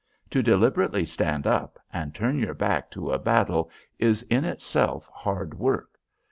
To deliberately stand up and turn your back to a battle is in itself hard work.